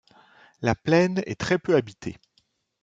La plaine est très peu habitée.